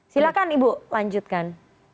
silakan ibu lanjutkan